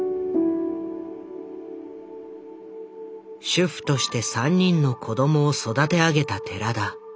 主婦として３人の子供を育て上げた寺田。